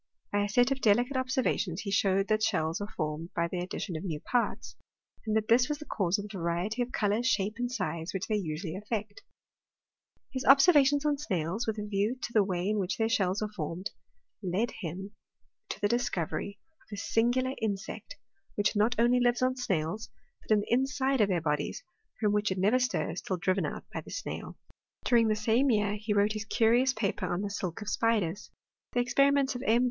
By a set of delicate observa tions he showed that shells are formed by the addition of new parts, and that this was the cause of the variety of colour, shape, and size which they usually affect. His observations on snails, with a view to the way in which their shells are formed, led him to the discovery of a singular insect, which not only lives on snails, but in the inside of their bodies, froni winch it neyer stirs till driven out by the snail. tmOBT in CHEMISTRt. 375 During the same year, he wrote his curious paper on the silk of spiders* The experiments of M.